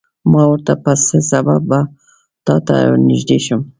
ما ورته په څه سبب به تاته نږدې شم.